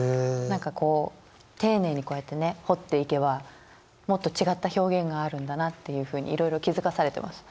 何かこう丁寧にこうやってね掘っていけばもっと違った表現があるんだなっていうふうにいろいろ気付かされてます。